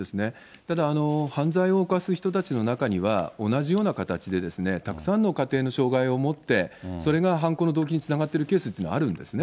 ただ、犯罪を犯す人たちの中には、同じような形でたくさんの家庭の障害を持って、それが犯行の動機につながっているケースというのはあるんですね。